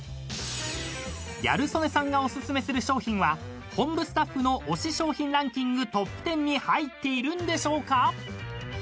［ギャル曽根さんがおすすめする商品は本部スタッフの推し商品ランキングトップ１０に入っているんでしょうか？］